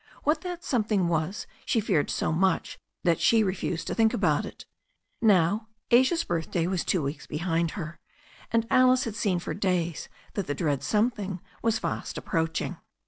What that something was she feared so much that she re fused to think about it. Now Asia's birthday was two weeks behind her, and Alice had seen for days that the dread something was fast ap proaching.